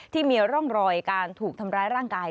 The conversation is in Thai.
ที่มีร่องรอยการถูกทำร้ายร่างกาย